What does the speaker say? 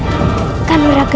aku adalah musuh besar ayahmu